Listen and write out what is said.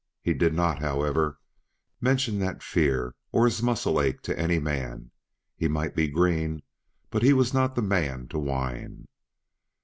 He did not, however, mention that fear, or his muscle ache, to any man; he might be green, but he was not the man to whine.